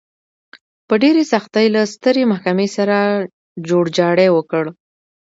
په ډېرې سختۍ له سترې محکمې سره جوړجاړی وکړ.